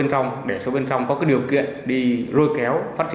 rồi người dân nói chung